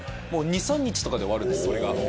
２３日とかで終わるんですそれが。